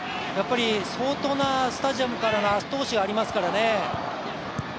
相当なスタジアムからの後押しがありますからね。